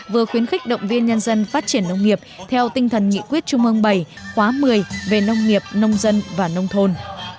vừa khuyến khích động viên nhân dân phát triển nông nghiệp theo tinh thần nghị quyết trung ương bảy khóa một mươi về nông nghiệp nông dân và nông thôn